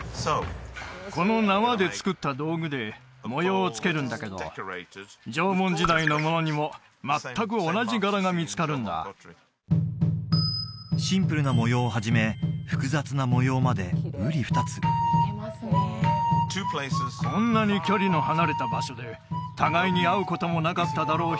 この縄で作った道具で模様をつけるんだけど縄文時代のものにも全く同じ柄が見つかるんだシンプルな模様をはじめ複雑な模様までうり二つこんなに距離の離れた場所で互いに会うこともなかっただろう